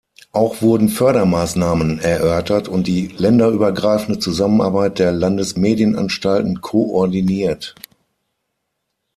Auch wurden Fördermaßnahmen erörtert und die länderübergreifende Zusammenarbeit der Landesmedienanstalten koordiniert.